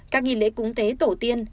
các nghi lễ cúng tế tổ tiên